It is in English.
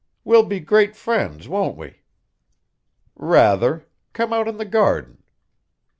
"We'll be great friends, won't we?" "Rather, come out in the garden."